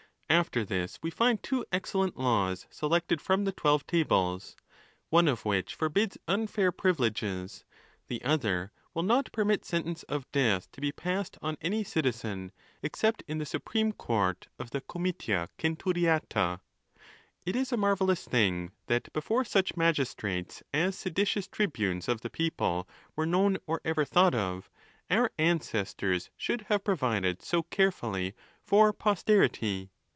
After this, we find two excellent laws selected from the Twelve Tables. One of which forbids unfair privileges: the other will not permit sentence of death to be passed on any citizen, except in the supreme court of the comitia centuriata. It is a marvellous thing, that, before such magistrates as seditious tribunes of the people were known or ever thought of, our ancestors should. have provided so carefully for pos terity.